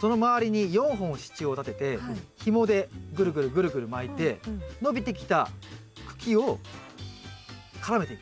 その周りに４本支柱を立ててひもでぐるぐるぐるぐる巻いて伸びてきた茎を絡めていく。